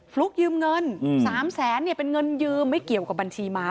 ฟลุ๊กยืมเงิน๓แสนเนี่ยเป็นเงินยืมไม่เกี่ยวกับบัญชีม้า